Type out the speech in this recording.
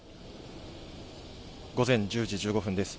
午前１０時１５分です。